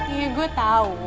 iya gue tau